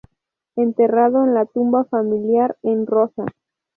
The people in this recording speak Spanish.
Enterrado en la tumba familiar en Rosa.